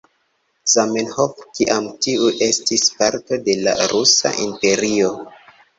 Zamenhof, kiam tiu estis parto de la Rusa Imperio.